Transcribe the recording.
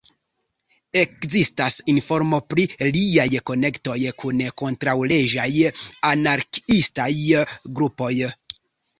Ekzistas informo pri liaj konektoj kun kontraŭleĝaj anarkiistaj grupoj.